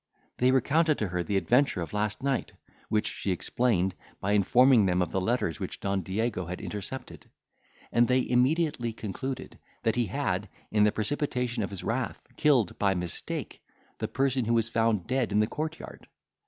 They recounted to her the adventure of last night, which she explained, by informing them of the letters which Don Diego had intercepted. And they immediately concluded, that he had, in the precipitation of his wrath, killed, by mistake, the person who was found dead in the court yard.